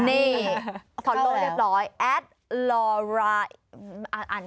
นี่ฟอลโลเรียบร้อย